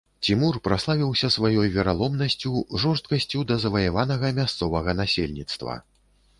Цімур праславіўся сваёй вераломнасцю, жорсткасцю да заваяванага мясцовага насельніцтва.